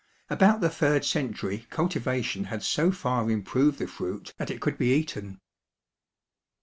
About the third century cultivation had so far improved the fruit that it could be eaten.